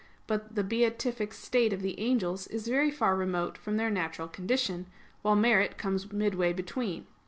But the beatific state of the angels is very far remote from their natural condition: while merit comes midway between.